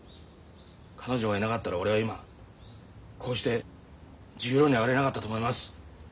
彼女がいなかったら俺は今こうして十両に上がれなかったと思います。